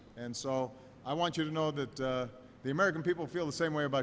jadi saya ingin anda tahu bahwa orang amerika merasa sama dengan anda